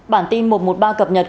bản tin một trăm một mươi ba cập nhật